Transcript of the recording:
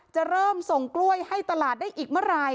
จะเริ่มส่งกล้วยให้ตลาดได้อีกเมื่อไหร่